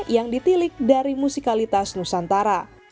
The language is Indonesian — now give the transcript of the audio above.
yang ditilik dari musikalitas nusantara